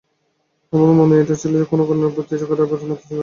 আমারও মনে এটা ছিল, কোনো কন্যার পিতার চোখ এড়াইবার মতো ছেলে আমি নই।